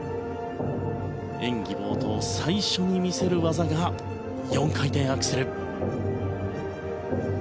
演技冒頭、最初に見せる技が４回転アクセル。